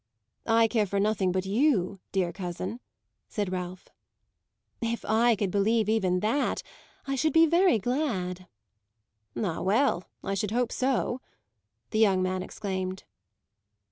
"I care for nothing but you, dear cousin," said Ralph. "If I could believe even that, I should be very glad." "Ah well, I should hope so!" the young man exclaimed.